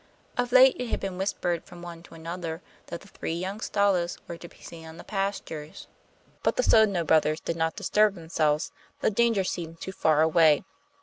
Of late it had been whispered from one to another that the three young Stalos were to be seen on the pastures, but the Sodno brothers did not disturb themselves, the danger seemed too far away.